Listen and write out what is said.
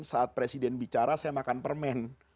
saat presiden bicara saya makan permen